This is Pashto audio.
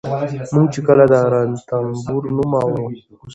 موږ چې کله د رنتنبور نوم اورو